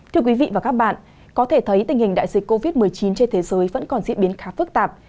thưa quý vị và các bạn có thể thấy tình hình đại dịch covid một mươi chín trên thế giới vẫn còn diễn biến khá phức tạp